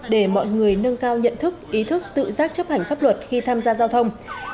để mọi người nâng cao nhận thức ý thức tự giác chấp hành pháp luật khi tham gia giao thông